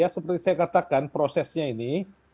seperti saya katakan prosesnya ini